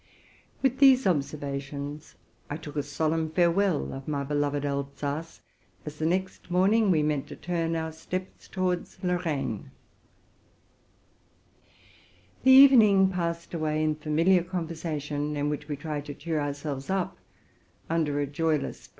With these observations, I took a solemn farewell of my be loved Alsace, as the next morning we meant to turn our steps towards Lorraine. The evening passed away in familiar conversation, in which we tried to cheer ourselves up under a joyless present by re 1 That is, towards Germany.